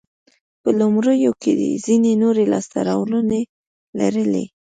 په لومړیو کې یې ځیني نورې لاسته راوړنې لرلې.